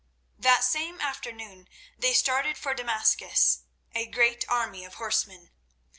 That same afternoon they started for Damascus, a great army of horsemen.